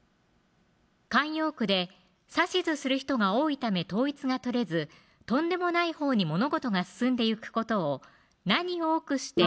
慣用句で指図する人が多いため統一がとれずとんでもないほうに物事が進んでいくことを「何多くして」